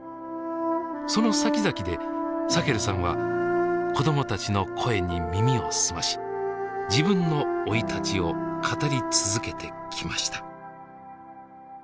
その先々でサヘルさんは子どもたちの声に耳を澄まし自分の生い立ちを語り続けてきました。